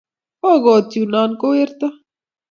okot yunonko werto